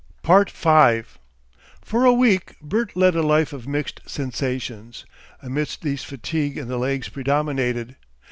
5 For a week Bert led a life of mixed sensations. Amidst these fatigue in the legs predominated.